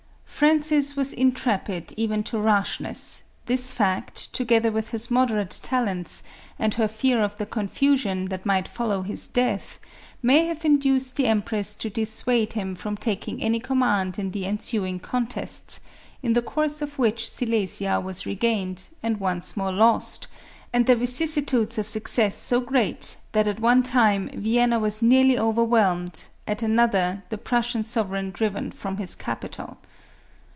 Francis was intrepid even to rashness; this fact, together with his moderate talents, and her fear of the confusion that might follow his death, may have induced the empress to dissuade him from tak ing any command in the ensuing contests, in the course of which Silesia was regained and once more lost, and the vicissitudes of success so great that at one time Vienna was nearly overwhelmed, at another the Prussian sov ereign driven from his capital.